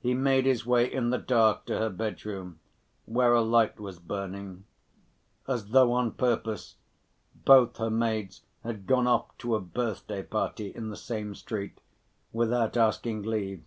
He made his way in the dark to her bedroom, where a light was burning. As though on purpose, both her maids had gone off to a birthday‐party in the same street, without asking leave.